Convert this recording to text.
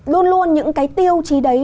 luôn luôn những cái tiêu chí đấy